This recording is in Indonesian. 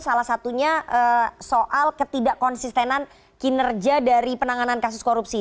salah satunya soal ketidak konsistenan kinerja dari penanganan kasus korupsi